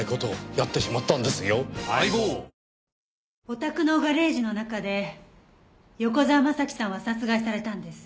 お宅のガレージの中で横沢征さんは殺害されたんです。